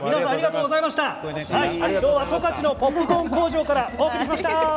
十勝のポップコーン工場からお送りしました。